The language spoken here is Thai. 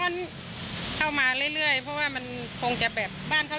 นี้จะย้อนเข้ามาเรื่อยเรื่อยเพราะว่ามันคงจะแบบบ้านเขา